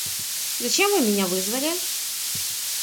Зачем вы меня вызвали?